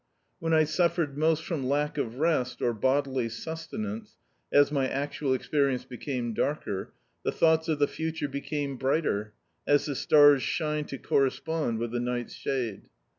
When I suffered most from lack of rest, or bodily sustenance — as my actual experience became darker, the thou^ts of the future became blister, as the stars shine to correspond with the nig^tfs shade.